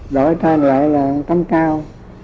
đổi thang lại là tấm cao